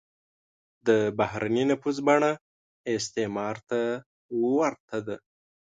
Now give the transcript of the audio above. د بهرنی نفوذ بڼه استعمار ته ورته ده.